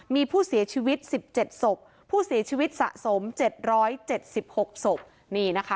มีผู้เสียชีวิตสิบเจ็ดศพผู้เสียชีวิตสะสมเจ็ดร้อยเจ็ดสิบหกศพนี่นะคะ